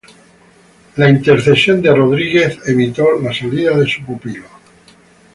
La intercesión de Rodríguez evitó la salida de su pupilo.